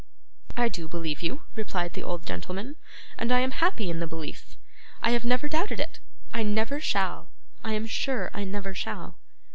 'I do believe you,' replied the old gentleman, 'and I am happy in the belief. I have never doubted it; I never shall. I am sure I never shall.